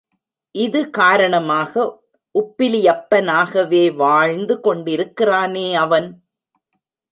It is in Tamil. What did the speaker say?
இது காரணமாக உப்பிலியப்பனாகவே வாழ்ந்து கொண்டிருக்கிறானே அவன்.